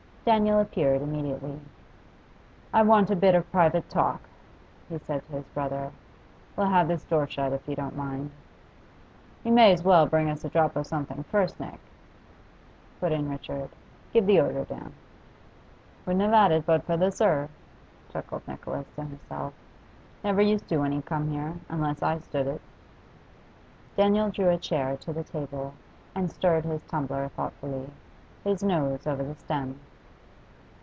Daniel appeared immediately. 'I want a bit of private talk,' he said to his brother. 'We'll have this door shut, if you don't mind.' 'You may as well bring us a drop of something first, Nick,' put in Richard. 'Give the order, Dan.' 'Wouldn't have 'ad it but for the "sir,"' chuckled Nicholas to himself. 'Never used to when he come here, unless I stood it.' Daniel drew a chair to the table and stirred his tumbler thoughtfully, his nose over the steam.